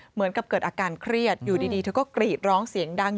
เหมือนกับเกิดอาการเครียดอยู่ดีเธอก็กรีดร้องเสียงดัง